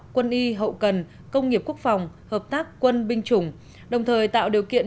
quân y hậu cần công nghiệp quốc phòng hợp tác quân binh chủng đồng thời tạo điều kiện